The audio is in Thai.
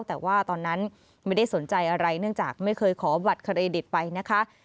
แต่ว่าตอนนั้นไม่ได้สนใจอะไรเนื่องจากไม่เคยขอบัตรเครดิตไปนะคะ